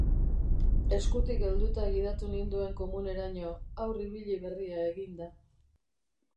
Eskutik helduta gidatu ninduen komuneraino, haur ibili berria eginda.